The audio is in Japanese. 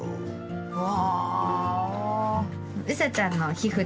うわ！